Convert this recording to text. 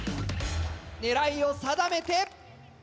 狙いを定めて。